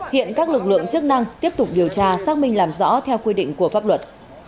hiện các lực lượng chức năng tiếp tục điều tra xác minh làm rõ theo quy định của pháp luật